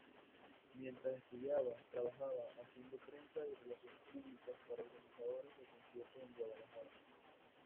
Mientras estudiaba, trabajaba haciendo prensa y relaciones públicas para organizadores de conciertos en Guadalajara.